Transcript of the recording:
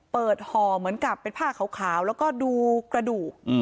ห่อเหมือนกับเป็นผ้าขาวแล้วก็ดูกระดูก